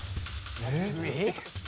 えっ？